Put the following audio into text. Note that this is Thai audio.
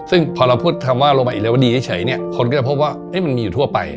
ซึ่งพอเราพูดคำว่าโลบาอิเรวดีเฉยเนี่ยคนก็จะพบว่ามันมีอยู่ทั่วไป